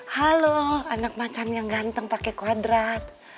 halo anak macan yang ganteng pakai kuadrat